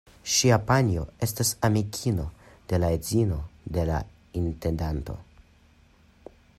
Ŝia panjo estas amikino de la edzino de la intendanto.